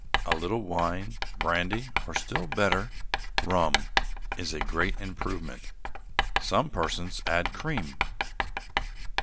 A little wine, brandy, or, still better, rum, is a great improvement. Some persons add cream.